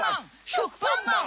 しょくぱんまん！